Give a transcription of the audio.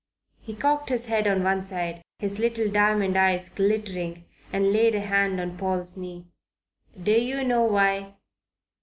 He cocked his head on one side, his little diamond eyes glittering, and laid a hand on Paul's knee. "D'yer know why?